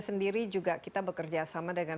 sendiri juga kita bekerja sama dengan